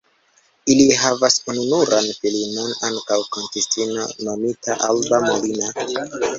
Ili havas ununuran filinon ankaŭ kantistino nomita Alba Molina.